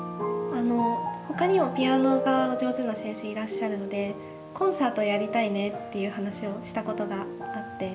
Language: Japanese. ほかにもピアノが上手な先生いらっしゃるので「コンサートやりたいね」っていう話をしたことがあって。